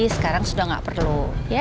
sekarang sudah gak perlu